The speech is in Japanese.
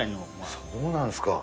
そうなんですか。